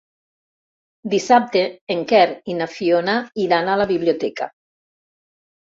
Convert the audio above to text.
Dissabte en Quer i na Fiona iran a la biblioteca.